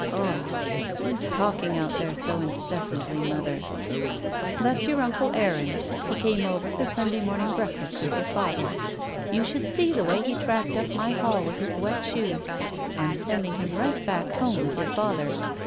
Uhm! Who's talking out there so incessantly, mother?" '* That's your imcle Aaron. He came over for Sunday morning breakfast with your father. You should see the way he tracked up my hall with his wet shoes. I'm sending him right back home with your father.